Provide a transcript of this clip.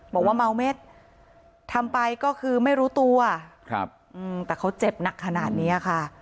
บอกว่าเมาเม็ดทำไปก็คือไม่รู้ตัวครับแต่เขาเจ็บหนักขนาดนี้ค่ะ